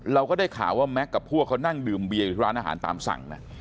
เราก็ได้ข่าวว่าแม็กซ์กับพวกเขานั่งดื่มเบียอยู่ที่ร้านอาหารตามสั่งนะ